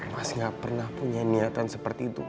mas gak pernah punya niatan seperti itu